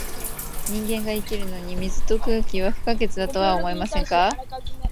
人間が生きるのに、水と空気は不可欠だとは思いませんか？